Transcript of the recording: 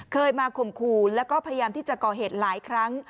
เคยมาข่มขู่แล้วก็พยายามที่จะก่อเหตุหลายครั้ง